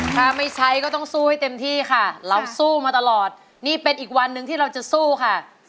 ถ้าไม่ใช้ก็ต้องสู้ให้เต็มที่ค่ะเราสู้มาตลอดนี่เป็นอีกวันหนึ่งที่เราจะสู้ค่ะ